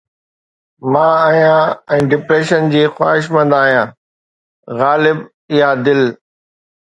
مان آهيان ۽ ڊپريشن جي خواهشمند آهيان، غالب! اها دل